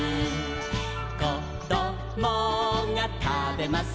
「こどもがたべます